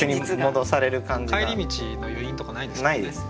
帰り道の余韻とかないですもんね。